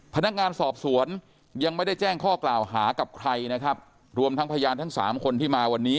พนักงานสอบสวนยังไม่ได้แจ้งข้อกล่าวหากับใครนะครับรวมทั้งพยานทั้งสามคนที่มาวันนี้